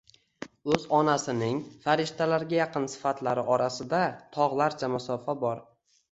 o'z onasining farishtalarga yaqin sifatlari orasida tog'larcha masofa bor.